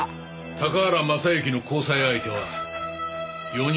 高原雅之の交際相手は４人いた。